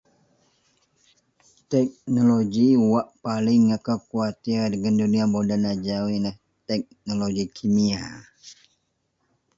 Teknoloji wak paling akou kuwatir dagen duniya moden ajau yenlah teknoloji kimia.